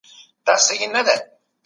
روښانه فکر کار نه کموي.